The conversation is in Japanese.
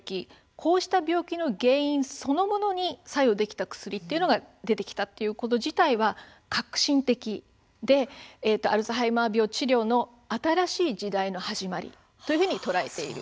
こうした病気の原因そのものに作用できた薬というのが出てきたこと自体が革新的でアルツハイマー病治療の新しい時代の始まり